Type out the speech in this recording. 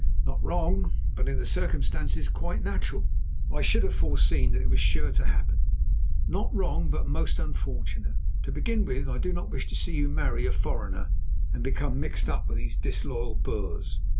"Not wrong, but, in the circumstances, quite natural—I should have foreseen that it was sure to happen. No, not wrong, but most unfortunate. To begin with, I do not wish to see you marry a foreigner and become mixed up with these disloyal Boers.